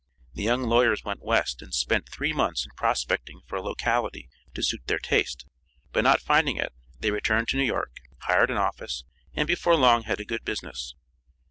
The young lawyers went West and spent three months in prospecting for a locality to suit their taste, but not finding it, they returned to New York, hired an office, and before long had a good business.